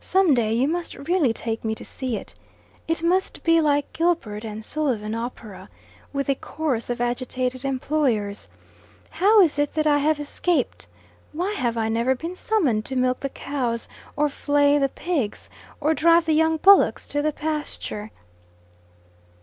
"Some day you must really take me to see it. It must be like a Gilbert and Sullivan opera, with a chorus of agitated employers. How is it that I have escaped? Why have I never been summoned to milk the cows, or flay the pigs, or drive the young bullocks to the pasture?"